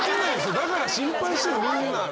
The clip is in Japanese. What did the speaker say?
だから心配してんのみんな。